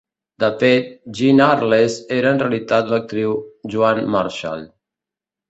De fet, Jean Arless era en realitat l'actriu Joan Marshall.